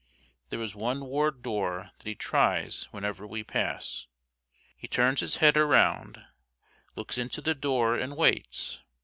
There is one ward door that he tries whenever we pass. He turns his head around, looks into the door, and waits.